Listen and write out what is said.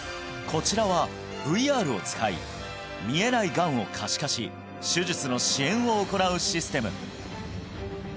こちらはＶＲを使い見えないがんを可視化し手術の支援を行うシステム